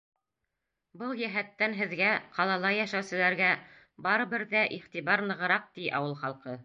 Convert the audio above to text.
Был йәһәттән һеҙгә, ҡалала йәшәүселәргә, барыбер ҙә иғтибар нығыраҡ, ти ауыл халҡы.